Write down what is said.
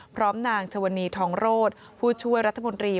พร้อมนางชวนีทองโรธผู้ช่วยรัฐมนตรี